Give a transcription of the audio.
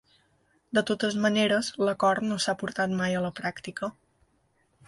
De totes maneres, l’acord no s’ha portat mai a la pràctica.